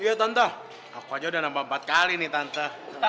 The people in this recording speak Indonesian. ya contoh aku aja udah nambah empat kali nih tante